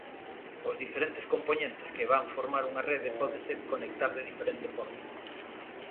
Os diferentes compoñentes que van formar unha rede pódense conectar de diferente forma.